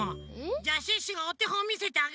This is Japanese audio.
じゃあシュッシュがおてほんみせてあげるから。